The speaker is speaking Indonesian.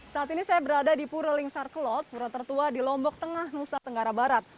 saat ini saya berada di pura lingsar kelot pura tertua di lombok tengah nusa tenggara barat